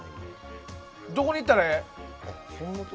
どこに行ったらええ？